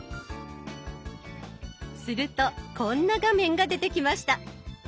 するとこんな画面が出てきました。